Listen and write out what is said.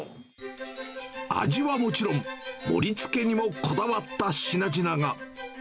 味はもちろん、盛りつけにもこだわった品々が。